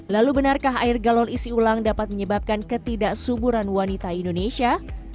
lalu benarkah air galon isi ulang dapat menyebabkan ketidaksuburan wanita indonesia